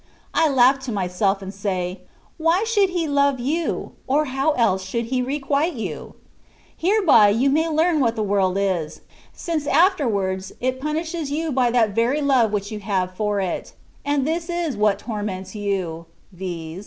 '' I laugh to myself, and say, "Why should he love you, or how else should he requite you V Hereby you may learn what the world is, since it afterwards pimishes you by that very love which you have for it : and this is what torments you, viz.